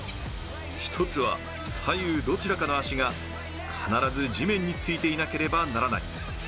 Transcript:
一つは、左右どちらかの足が必ず地面についていなければならない。